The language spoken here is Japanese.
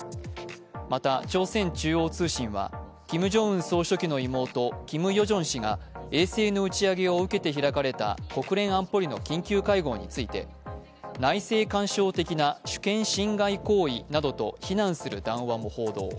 また、朝鮮中央通信はキム・ジョンウン総書記の妹、キム・ヨジョン氏が衛星の打ち上げを受けて開かれた国連安保理の緊急会合について内政干渉的な主権侵害行為などと非難する談話も報道。